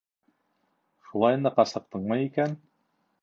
Шулай ныҡ асыҡтымы икән?